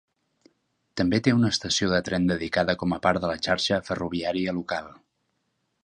També té una estació de tren dedicada com a part de la xarxa ferroviària local.